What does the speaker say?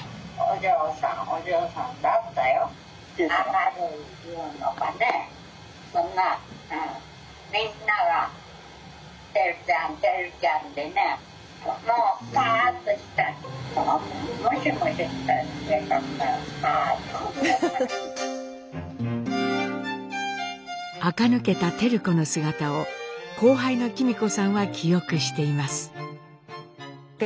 あか抜けた照子の姿を後輩の公子さんは記憶しています。